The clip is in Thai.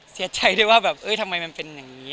เซียดใจได้ได้ว่าทำไมเป็นอย่างนี้